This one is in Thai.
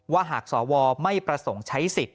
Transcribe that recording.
หากสวไม่ประสงค์ใช้สิทธิ์